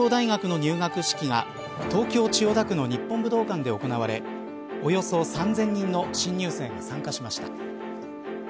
東京大学の入学式が東京、千代田区の日本武道館で行われおよそ３０００人の新入生が参加しました。